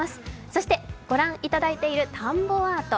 そして、御覧いただいている田んぼアート。